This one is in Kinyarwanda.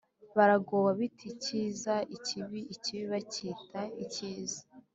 Baragowe! Abita icyiza ikibi, ikibi bakacyita icyiza.